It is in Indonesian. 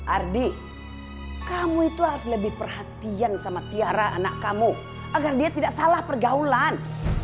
ardi kamu itu harus lebih perhatian sama tiara anak kamu agar dia tidak salah pergaulan